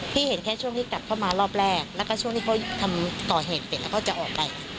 เห็นแค่ช่วงที่กลับเข้ามารอบแรกแล้วก็ช่วงที่เขาทำก่อเหตุเสร็จแล้วเขาจะออกไป